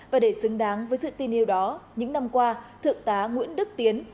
và để xứng đáng với sự tin yêu đó những năm qua thượng tá nguyễn đức tiến